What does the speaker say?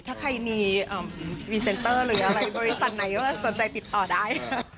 ถ้าใครมีพิเศนเตอร์หรือบริษัทไหนสนใจติดต่อได้